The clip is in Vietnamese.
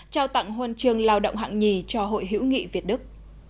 trao tặng huân trường lao động hạng nhì cho hội hữu nghị việt đức